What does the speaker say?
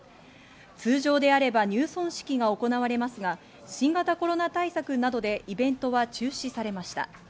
通常であれば入村式が行われますが、新型コロナ対策などでイベントは中止されました。